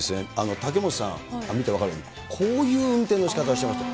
竹本さん、見て分かるように、こういう運転のしかたをしていました。